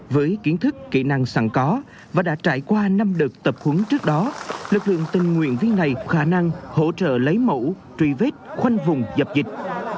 với kiến thức kỹ năng sẵn có và đã trải qua năm đợt tập huấn trước đó lực lượng tình nguyện viên này khả năng hỗ trợ lấy mẫu truy vết khoanh vùng dập dịch